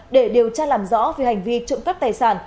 để điều tra làm rõ về hành vi trộm cắp tài sản